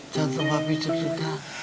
jantung papi duduk